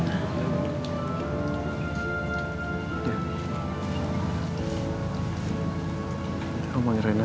kamu mau nyerahin lagi